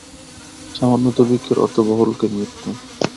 সামান্য দুর্ভিক্ষের অর্থ বহু লোকের মৃত্যু।